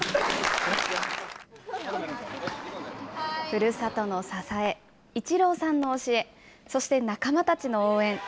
ふるさとの支え、イチローさんの教え、そして仲間たちの応援。